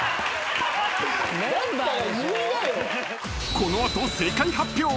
［この後正解発表］